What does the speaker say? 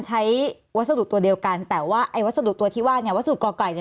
หวัสดุตัวเดียวกันแต่ว่าอันที่ว่าวัสดุเกาะไก่